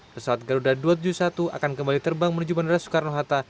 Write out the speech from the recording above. pesawat garuda dua ratus tujuh puluh satu akan kembali terbang menuju bandara soekarno hatta